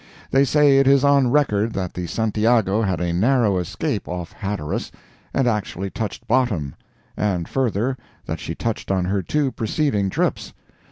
They say it is on record that the Santiago had a narrow escape off Hatteras, and actually touched bottom—and further, that she touched on her two preceding trips.